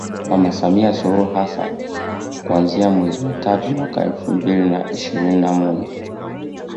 Mama Samia Suluhu Hassani kuanzia mwezi wa tatu mwaka Elfu mbili ishirini na moja